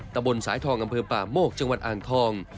ตะบนสายทองอำเภอป่าโมกจังหวัดอ่างทอง